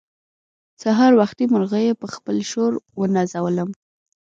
سهار وختي مرغيو په خپل شور ونازولم.